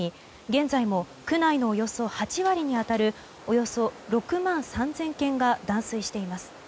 現在も区内のおよそ８割に当たるおよそ６万３０００軒が断水しています。